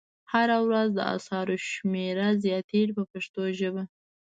هره ورځ د اثارو شمېره زیاتیږي په پښتو ژبه.